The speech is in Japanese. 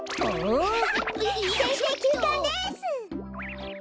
キャハッせんせいきゅうかんです。